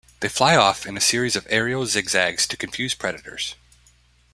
They fly off in a series of aerial zig-zags to confuse predators.